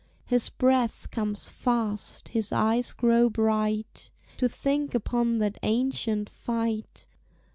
His breath comes fast, his eyes grow bright, To think upon that ancient fight.